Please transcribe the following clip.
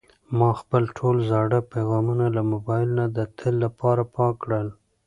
ما خپل ټول زاړه پیغامونه له موبایل نه د تل لپاره پاک کړل.